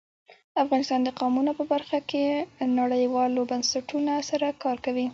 افغانستان د قومونه په برخه کې نړیوالو بنسټونو سره کار کوي.